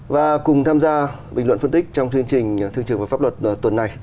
và cùng tham gia bình luận phân tích trong chương trình thương trường và pháp luật tuần này